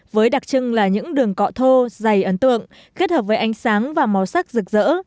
với đặc trưng là những đường cọ thô dày ấn tượng kết hợp với ánh sáng và màu sắc rực rỡ